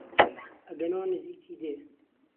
ئەگەنۆ نزیکی دێ